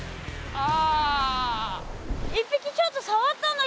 ああ！